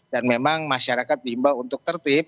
dan memang masyarakat bimbang untuk tertip